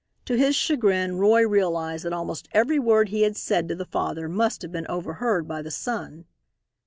To his chagrin, Roy realized that almost every word he had said to the father must have been overheard by the son.